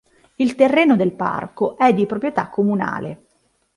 Il terreno del parco è di proprietà comunale.